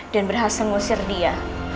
dan berhasil ngusir dia